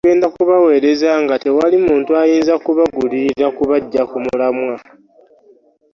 Bagenda kubaweereza nga tewali muntu ayinza kubagulirira kubaggya ku mulamwa.